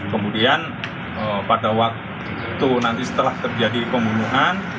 kemudian pada waktu itu nanti setelah terjadi pembunuhan